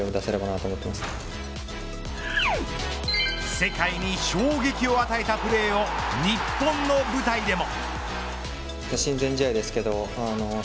世界に衝撃を与えたプレーを日本の舞台でも。